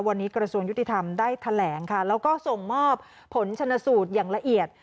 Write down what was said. วันนี้กระทรวงยุติธรรมได้แถลงค่ะแล้วก็ส่งมอบผลชนสูตรอย่างละเอียด